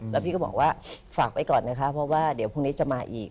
แล้วพี่ก็บอกว่าฝากไว้ก่อนนะคะเพราะว่าเดี๋ยวพรุ่งนี้จะมาอีก